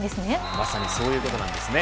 まさに、そういうことなんですね。